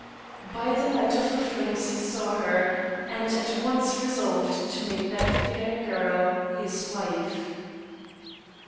By the light of the flames he saw her, and at once resolved to make that fair girl his wife.